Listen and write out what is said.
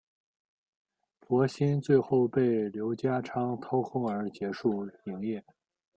博新最后被刘家昌掏空而结束营业。